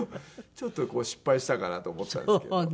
ちょっと失敗したかなと思ったんですけど。